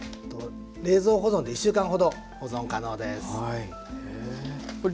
冷蔵保存で１週間ほど保存可能です。